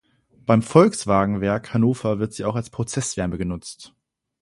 Beim Volkswagenwerk Hannover wird sie auch als Prozesswärme genutzt.